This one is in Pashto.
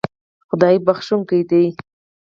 خدای بښونکی دی